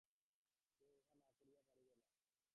সে উহা না করিয়া পারিবে না।